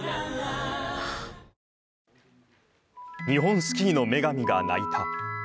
日本スキーの女神が泣いた。